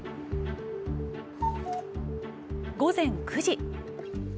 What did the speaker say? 午前９時。